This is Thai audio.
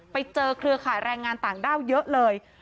เครือข่ายแรงงานต่างด้าวเยอะเลย